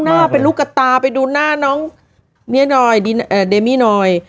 น่ารักมากเนี่ยไปดูหน้าน้องเมี๊นอยดิอ่่าเดมี้นอย